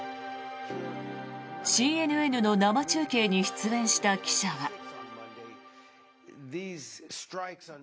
ＣＮＮの生中継に出演した記者は。